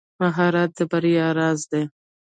مهارت د بریا راز دی.